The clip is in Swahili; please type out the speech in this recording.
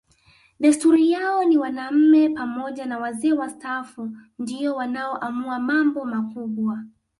Desturi yao ni wanaume pamoja na wazee wastaafu ndio wanaoamua mambo makubwa